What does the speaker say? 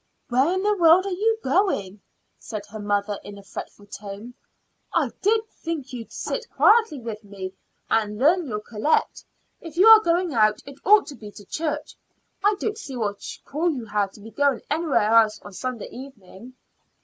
"Where in the world are you going?" said her mother in a fretful tone. "I did think you'd sit quietly with me and learn your collect. If you are going out, it ought to be to church. I don't see what call you have to be going anywhere else on Sunday evening."